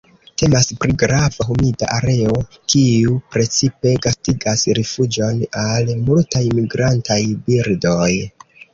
Temas pri grava humida areo, kiu precipe gastigas rifuĝon al multaj migrantaj birdoj.